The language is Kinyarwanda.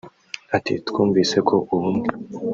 Ati“ Twumvise ko ubumwe